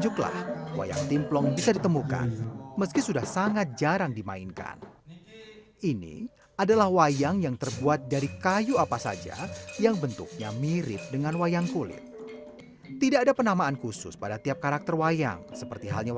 jadi namanya wayang timplong tidak ada nama khas jadi tokoh yang ada